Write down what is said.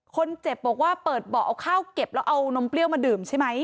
คนเจ็บบอกว่าเปิดเบาะเอาข้าวเก็บแล้วเอานมเปรี้ยวมาดื่มใช่ไหม